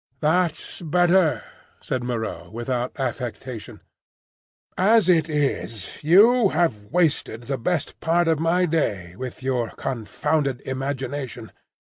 "That's better," said Moreau, without affectation. "As it is, you have wasted the best part of my day with your confounded imagination."